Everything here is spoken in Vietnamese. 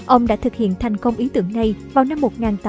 ông đã thực hiện thành công ý tưởng này vào năm một nghìn tám trăm tám mươi bốn